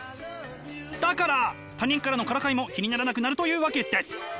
だから他人からのからかいも気にならなくなるというわけです！